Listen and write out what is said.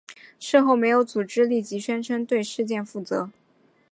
事后没有组织立即宣称对事件负责。